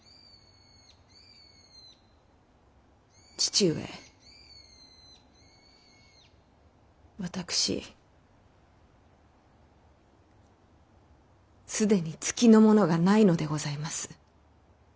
父上私既に月のものがないのでございます。